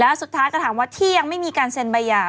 แล้วสุดท้ายก็ถามว่าที่ยังไม่มีการเซ็นใบหย่า